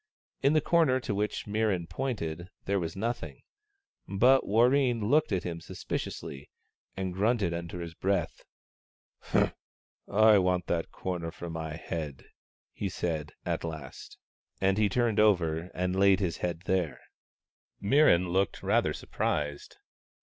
In the corner to which Mirran pointed there was nothing. But Warreen looked at him suspiciously, and grunted under his breath. " I want that corner for my head," he said, at last. And he turned over and laid his head there. Mirran looked rather surprised.